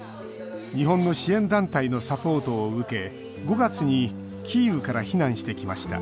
日本の支援団体のサポートを受け５月にキーウから避難してきました